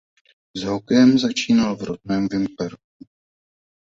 S hokejem začínal v rodném Vimperku.